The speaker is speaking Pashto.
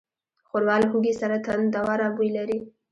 ښوروا له هوږې سره تندهوره بوی لري.